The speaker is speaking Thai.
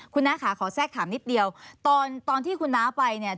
คุณน้าค่ะขอแทรกถามนิดเดียวตอนตอนที่คุณน้าไปเนี่ย